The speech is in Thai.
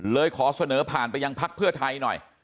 ขอเสนอผ่านไปยังพักเพื่อไทยหน่อย